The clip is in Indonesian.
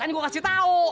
kan gua kasih tau